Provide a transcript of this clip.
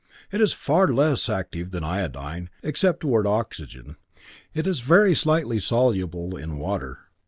It is far less active than iodine, except toward oxygen. It is very slightly soluble in water.